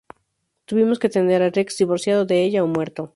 Tuvimos que tener a Rex divorciado de ella o muerto".